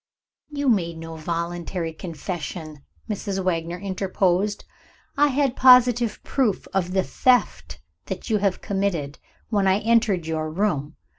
"You made no voluntary confession," Mrs. Wagner interposed. "I had positive proof of the theft that you have committed, when I entered your room.